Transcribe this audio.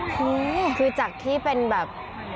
คือคือจากที่เป็นแบบ